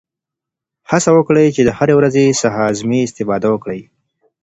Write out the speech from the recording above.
هڅه وکړئ چې د هرې ورځې څخه اعظمي استفاده وکړئ.